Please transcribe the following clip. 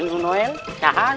mana yang dekat